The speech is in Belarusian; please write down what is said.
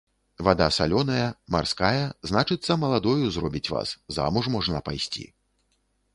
Вада салёная, марская, значыцца, маладою зробіць вас, замуж можна пайсці.